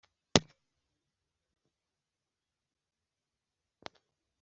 igihe cyabuze kurangiza interuro.